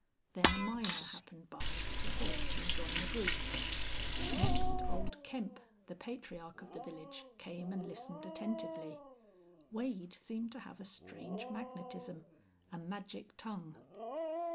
Then a miner happened by to halt and join the group. Next, old Kemp, the patriarch of the village, came and listened attentively. Wade seemed to have a strange magnetism, a magic tongue.